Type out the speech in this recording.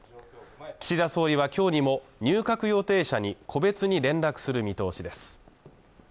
岸田総理は今日にも入閣予定者に個別に連絡する見通しです